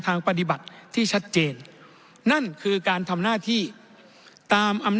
ทางปฏิบัติที่ชัดเจนนั่นคือการทำหน้าที่ตามอำนาจ